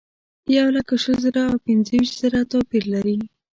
یولک شل زره او پنځه ویشت زره توپیر لري.